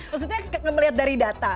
maksudnya melihat dari data